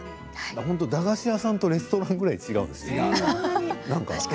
駄菓子屋さんとレストランぐらい違うんですよね。